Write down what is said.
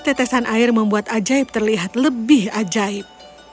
tetesan air membuat ajaib terlihat lebih ajaib